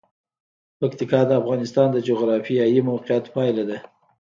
پکتیکا د افغانستان د جغرافیایي موقیعت پایله ده.